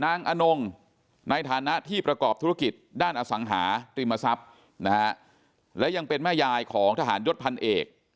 อนงในฐานะที่ประกอบธุรกิจด้านอสังหาริมทรัพย์นะฮะและยังเป็นแม่ยายของทหารยศพันเอก